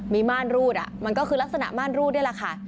มีม่านรูดมันก็คือลักษณะม่านรูดนี่แหละค่ะ